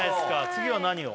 次は何を？